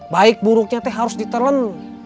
baik buruknya harus ditelen